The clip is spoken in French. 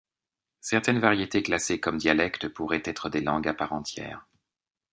Certaines variétés classées comme dialectes pourraient être des langues à part entière.